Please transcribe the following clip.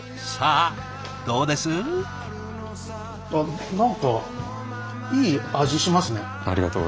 あっ何かいい味しますね。